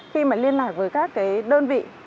khi liên lạc với các đơn vị